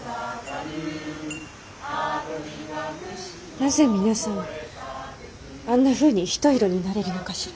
・なぜ皆さんあんなふうに一色になれるのかしら。